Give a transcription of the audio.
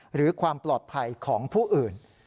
หรือความปลอดภัยของผู้อื่น